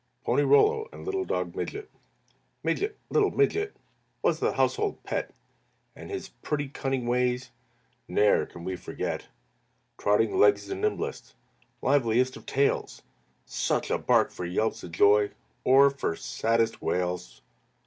PONY ROLLO AND LITTLE DOG MIDGET Midget, little Midget, Was the household pet, And his pretty cunning ways Ne'er can we forget. Trotting legs the nimblest, Liveliest of tails, Such a bark for yelps of joy, Or for saddest wails!